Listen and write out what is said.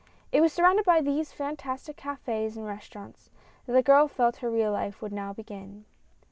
It was surrounded by these fantastic caf^s and restau rants that the girl felt that her real life would now begin.